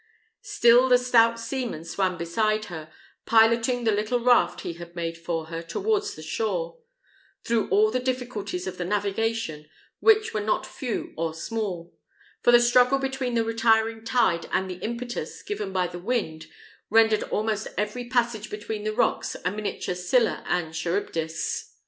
Still the stout seaman swam beside her, piloting the little raft he had made for her towards the shore, through all the difficulties of the navigation, which were not few or small; for the struggle between the retiring tide and the impetus given by the wind rendered almost every passage between the rocks a miniature Scylla and Charybdis.